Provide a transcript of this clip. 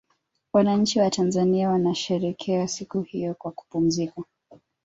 wananchi watanzania wanasherekea siku hiyo kwa kupumzika